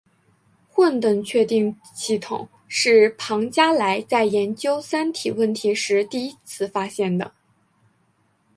混沌确定系统是庞加莱在研究三体问题时第一次发现的。